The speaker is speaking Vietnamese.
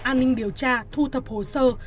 an ninh điều tra thu thập hồ sơ